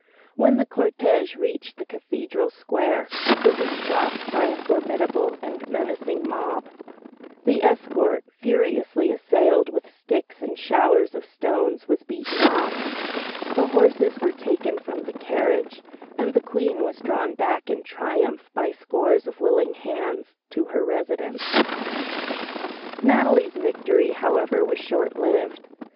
When the cortège reached the Cathedral Square, it was stopped by a formidable and menacing mob; the escort, furiously assailed with sticks and showers of stones, was beaten off; the horses were taken from the carriage, and the Queen was drawn back in triumph by scores of willing hands, to her residence. Natalie's victory, however, was short lived.